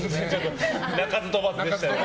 鳴かず飛ばずでしたね。